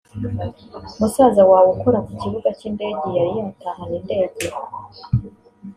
Musaza wawe ukora ku kibuga cy’ikindege yari yatahana indege